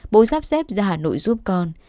bố sắp xếp ra hà nội giúp con